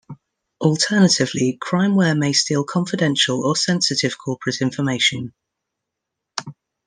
Alternatively, crimeware may steal confidential or sensitive corporate information.